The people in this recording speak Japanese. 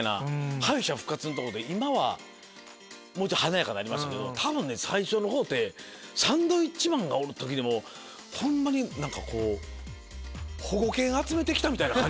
敗者復活のとことか今は華やかになりましたけど多分最初のほうってサンドウィッチマンおる時でもホンマに何か保護犬集めて来たみたいな感じ。